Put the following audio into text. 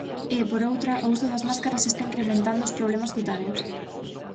E, por outra, o uso das máscaras está incrementando os problemas cutáneos.